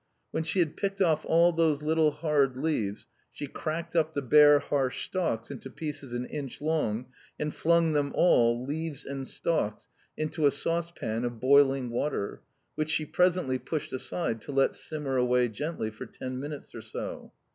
When she had picked off all those little hard leaves, she cracked up the bare, harsh stalks into pieces an inch long, and flung them all, leaves and stalks, into a saucepan of boiling water, which she presently pushed aside to let simmer away gently for ten minutes or so.